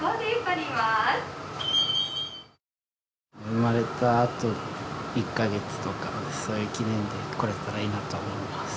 生まれたあと１カ月とかそういう記念で来れたらいいなと思います